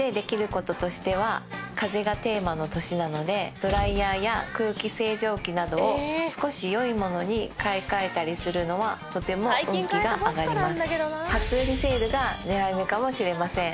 ドライヤーや空気清浄機などを少し良い物に買い替えたりするのはとても運気が上がります。